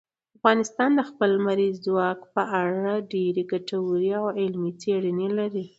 افغانستان د خپل لمریز ځواک په اړه ډېرې ګټورې او علمي څېړنې لري.